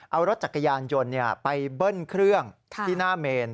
เอารถจักรยานยนต์ไปเบิ้ลเครื่องที่หน้าเมน